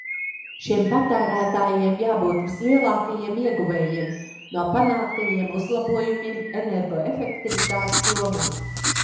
Šiem patērētājiem jābūt vislielākajiem ieguvējiem no panāktajiem uzlabojumiem energoefektivitātes jomā.